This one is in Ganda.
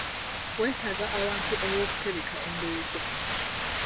Weetaaga ewantu ewookutereka engoye zo.